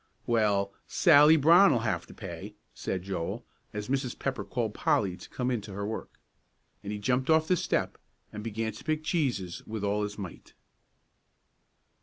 "Well, Sally Brown'll have to pay," said Joel, as Mrs. Pepper called Polly to come in to her work. And he jumped off the step and began to pick cheeses with all his might.